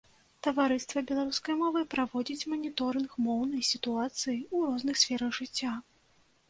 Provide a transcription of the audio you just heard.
Таварыства беларускай мовы праводзіць маніторынг моўнай сітуацыі ў розных сферах жыцця.